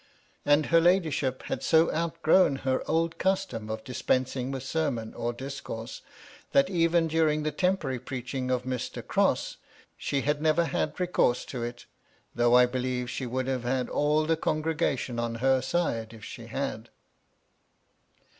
And her ladyship had so outgrown her old custom of dispensing with sermon or discourse, that even during the temporary preaching of Mr. Crosse, she had never had recourse to it, though I believe she would have had all the congregation on her side if she had.